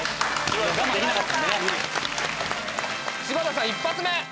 柴田さん一発目。